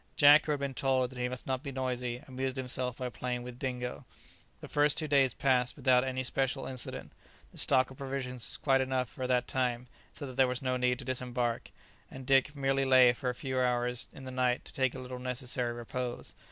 Jack, who had been told that he must not be noisy, amused himself by playing with Dingo. The first two days passed without any special incident. The stock of provisions was quite enough for that time, so that there was no need to disembark, and Dick merely lay to for a few hours in the night to take a little necessary repose.